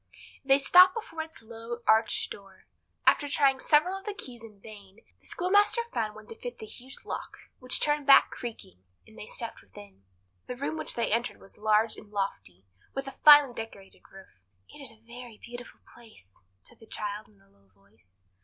They stopped before its low, arched door. After trying several of the keys in vain, the schoolmaster found one to fit the huge lock, which turned back creaking, and they stepped within. The room which they entered was large and lofty, with a finely decorated roof. "It is a very beautiful place!" said the child in a low voice.